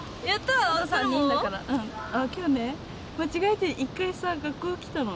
今日ね間違えて一回さ学校来たの。